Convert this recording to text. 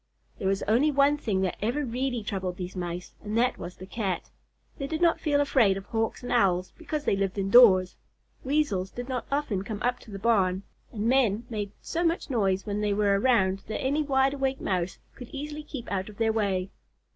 There was only one thing that ever really troubled these Mice, and that was the Cat. They did not feel afraid of Hawks and Owls because they lived indoors. Weasels did not often come up to the barn, and men made so much noise when they were around that any wide awake Mouse could easily keep out of their way.